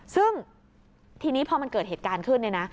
ซึ่งทีนี้พอมันเกิดเหตุการณ์ขึ้น